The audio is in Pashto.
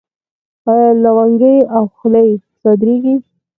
آیا لونګۍ او خولۍ صادریږي؟